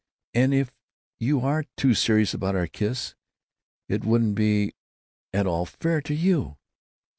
And if you were too serious about our kiss, it wouldn't be at all fair to you."